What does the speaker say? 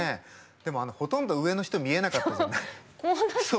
でもほとんど上の人見えなかったじゃない。